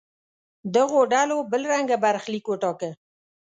دغو ډلو بل رنګه برخلیک وټاکه.